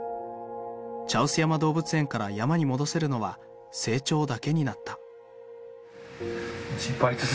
茶臼山動物園から山に戻せるのは成鳥だけになった。